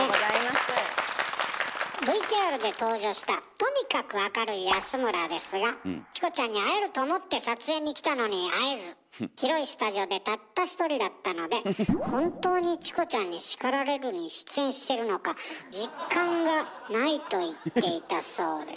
ＶＴＲで登場したとにかく明るい安村ですがチコちゃんに会えると思って撮影に来たのに会えず広いスタジオでたった１人だったので本当に「チコちゃんに叱られる！」に出演してるのか実感がないと言っていたそうです。